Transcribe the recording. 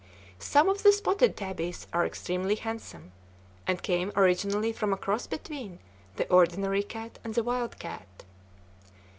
Some of the spotted tabbies are extremely handsome, and came originally from a cross between the ordinary cat and the wild cat.